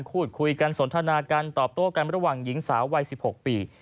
พูดคุยกันสนทนากันตอบโต้กันระหว่างหญิงสาววัย๑๖ปี